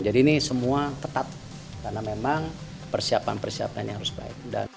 jadi ini semua tetap karena memang persiapan persiapan yang harus baik